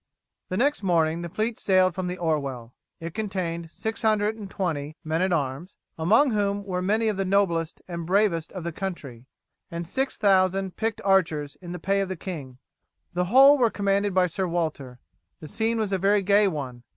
The next morning the fleet sailed from the Orwell. It contained 620 men at arms, among whom were many of the noblest and bravest of the country, and 6000 picked archers in the pay of the king. The whole were commanded by Sir Walter. The scene was a very gay one.